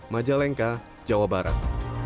majalengka jawa barat